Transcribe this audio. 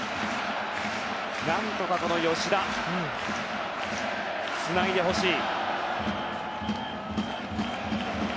何とか、この吉田につないでほしい。